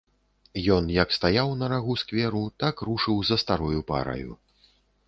Ён, як стаяў на рагу скверу, так рушыў за старою параю.